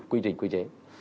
quy trình quy chế